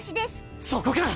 そこか！